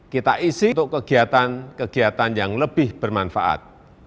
kita isi untuk kegiatan kegiatan yang lebih bermanfaat